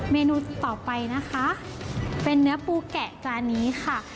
เมนูต่อไปนะคะเป็นเนื้อปูแกะจานนี้ค่ะ